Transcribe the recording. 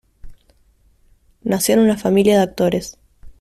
Nació en una familia de actores.